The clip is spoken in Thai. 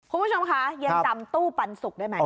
คุณผู้ชมคะยังจำตู้ปันสุกได้ไหม